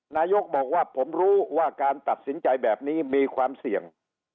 นายกบอกว่าผมรู้ว่าการตัดสินใจแบบนี้มีความเสี่ยง